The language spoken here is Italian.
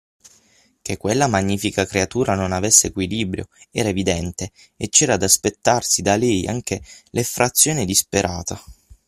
Che quella magnifica creatura non avesse equilibrio era evidente e c'era da aspettarsi da lei anche l'effrazione disperata.